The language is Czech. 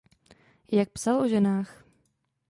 Jak psal o ženách.